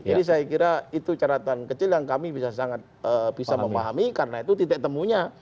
jadi saya kira itu caratan kecil yang kami bisa sangat bisa memahami karena itu titik temunya